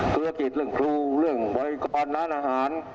เกี่ยวกิจเรื่องครูเรื่องไว้ก่อนงานอาหาร